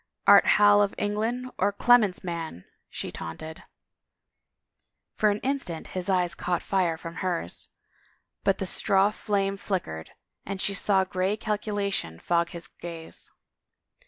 ^ "Art Hal of England or Clement's man?" she taunted. 195 « THE FAVOR OF KINGS For an instant his eyes caught fire from hers but the straw flame flickered and she saw gray calculation fog his gaze.